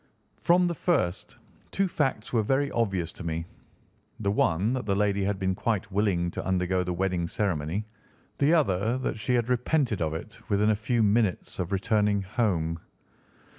"From the first, two facts were very obvious to me, the one that the lady had been quite willing to undergo the wedding ceremony, the other that she had repented of it within a few minutes of returning home.